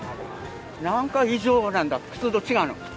なんか異常なんだ、普通と違うの。